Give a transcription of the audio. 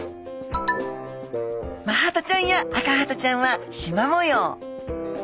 マハタちゃんやアカハタちゃんはしま模様。